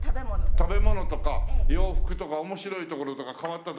食べ物とか洋服とか面白い所とか変わった所。